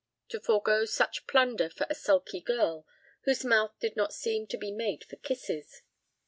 To forego such plunder for a sulky girl whose mouth did not seem to be made for kisses!